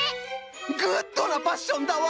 グッドなパッションだわ！